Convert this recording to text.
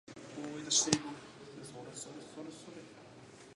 生存还是毁灭，这是一个值得考虑的问题